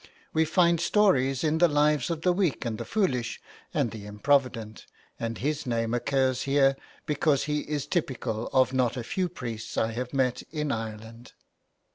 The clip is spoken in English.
We find stories in the lives of the weak and the foolish, and the improvident, and his name occurs here because he is typical of not a few priests I have met in Ireland.